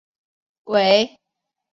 为琉球乡最短乡道。